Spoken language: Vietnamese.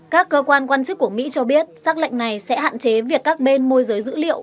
các cơ quan quan chức của mỹ cho biết xác lệnh này sẽ hạn chế việc các bên môi giới dữ liệu